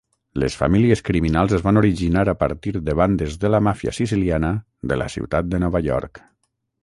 Les famílies criminals es van originar a partir de bandes de la màfia siciliana de la ciutat de Nova York.